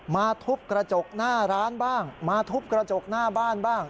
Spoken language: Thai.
ทุบกระจกหน้าร้านบ้างมาทุบกระจกหน้าบ้านบ้าง